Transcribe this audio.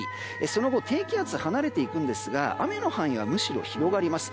その後低気圧離れていくんですが雨の範囲はむしろ広がります。